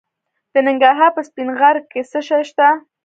د ننګرهار په سپین غر کې څه شی شته؟